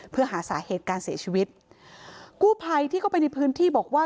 เพื่อหาสาเหตุการเสียชีวิตกู้ภัยที่เข้าไปในพื้นที่บอกว่า